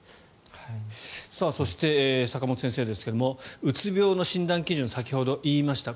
そして、坂元先生ですがうつ病の診断基準先ほど言いました